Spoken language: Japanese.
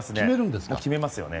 決めますよね。